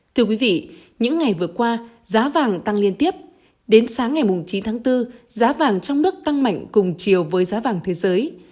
thưa quý vị những ngày vừa qua giá vàng tăng liên tiếp đến sáng ngày chín tháng bốn giá vàng trong nước tăng mạnh cùng chiều với giá vàng thế giới